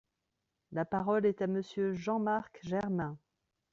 La parole est à Monsieur Jean-Marc Germain.